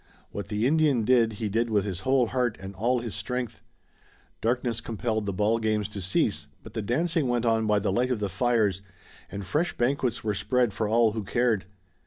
What the Indian did he did with his whole heart, and all his strength. Darkness compelled the ball games to cease, but the dancing went on by the light of the fires and fresh banquets were spread for all who cared.